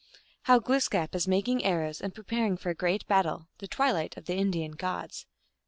How Glooskap is making Arroivs, and preparing for a Great Battle. The Twilight of the Indian Gods.